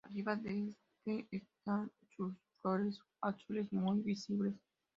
Arriba de este están sus flores azules muy visibles.